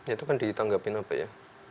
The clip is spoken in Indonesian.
itu kan ditanggapin apa ya